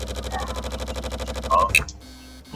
她以祖国波兰的名字命名她所发现的第一种元素钋。